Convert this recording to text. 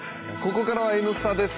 ここからは「Ｎスタ」です。